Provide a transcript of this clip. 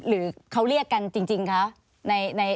หรือเขาเรียกกันจริงคะ